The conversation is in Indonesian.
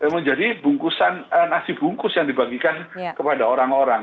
menjadi bungkusan nasi bungkus yang dibagikan kepada orang orang